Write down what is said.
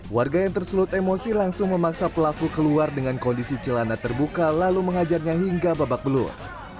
warga yang terselut emosi langsung memaksa pelaku keluar dengan kondisi celana terbuka lalu mengajarnya hingga babak belur